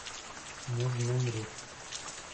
خو موږ نه مرو.